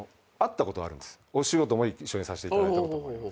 お仕事も一緒にさせていただいたこともあります。